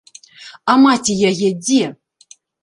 А маці яе дзе?